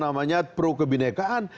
seolah olah kita tidak pro kebinekaan